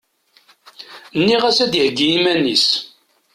Nniɣ-as ad iheggi iman-is.